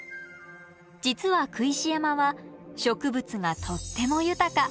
実は工石山は植物がとっても豊か。